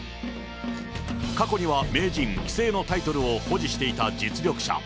過去には名人、棋聖のタイトルを保持していた実力者。